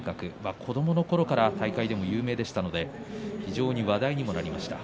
子どものころから大会でも有名でしたから話題にもなりました。